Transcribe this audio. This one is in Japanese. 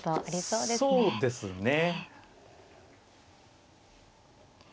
そうですね。